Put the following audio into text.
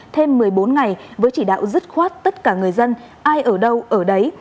thêm một mươi bốn ngày với chỉ đạo dứt khoát tất cả người dân ai ở đâu ở đấy